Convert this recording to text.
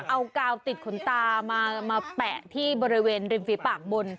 เอากาวติดขนตามาแปะที่บริเวณริมฝีปากบน